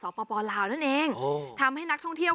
สุดยอดน้ำมันเครื่องจากญี่ปุ่น